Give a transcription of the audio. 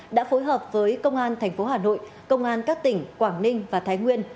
đã phối hợp với công an tp hà nội công an các tỉnh quảng ninh và thái nguyên